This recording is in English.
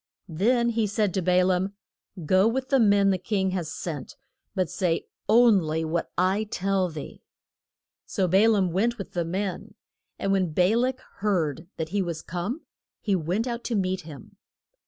Then he said to Ba laam, Go with the men the king has sent, but say on ly what I shall tell thee. So Ba laam went with the men, and when Ba lak heard that he was come he went out to meet him.